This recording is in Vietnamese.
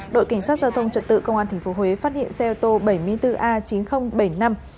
đội cảnh sát giao thông trật tự công an tp huế phát hiện xe ô tô bảy mươi bốn a chín nghìn bảy mươi năm